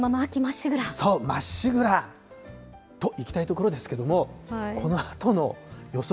そう、まっしぐら、といきたいところですけれども、このあとの予想